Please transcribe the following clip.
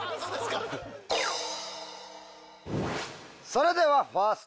それでは。